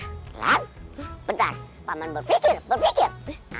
gelang bentar paman berpikir berpikir